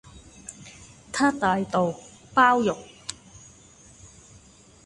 她大道、包容